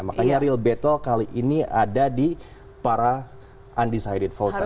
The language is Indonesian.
makanya real battle kali ini ada di para undecided voters